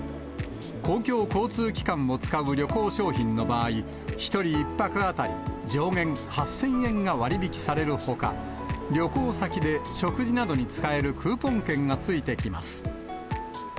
公共交通機関を使う旅行商品の場合、１人１泊当たり上限８０００円が割引されるほか、旅行先で食事などに使えるクーポン券がついてきます。